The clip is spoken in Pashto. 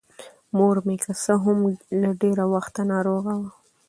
مـور مـې کـه څـه هـم له ډېـره وخـته نـاروغـه وه.